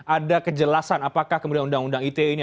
ada kejelasan apakah kemudian undang undang ite ini